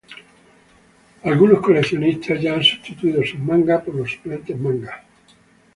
Algunos coleccionistas ya han sustituido sus mangas con los suplentes manga.